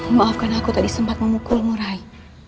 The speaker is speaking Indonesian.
maafkan aku tadi sempat memukulmu rai